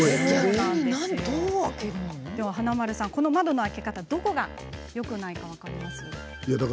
さあ、華丸さん、この窓の開け方何がよくないか分かりますか？